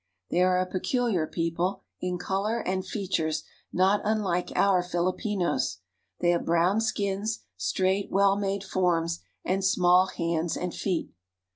They are a peculiar people, in color and features not unlike our Filipinos. They have brown skins, straight, well made forms, and small hands and feet.